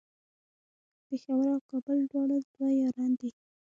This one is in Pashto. پیښور او کابل دواړه دوه یاران دی